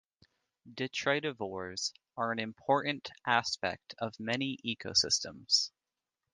Detritivores are an important aspect of many ecosystems.